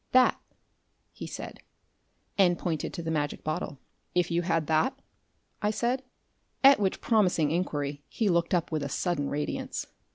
"That," he said, and pointed to the Magic Bottle. "If you had that?" I said; at which promising inquiry he looked up with a sudden radiance.